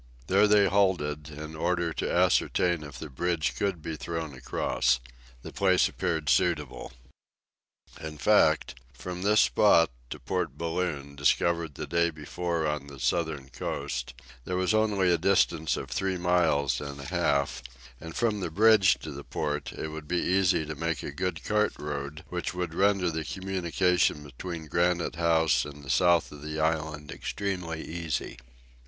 There they halted, in order to ascertain if the bridge could be thrown across. The place appeared suitable. In fact, from this spot, to Port Balloon, discovered the day before on the southern coast, there was only a distance of three miles and a half, and from the bridge to the Port, it would be easy to make a good cart road which would render the communication between Granite House and the south of the island extremely easy.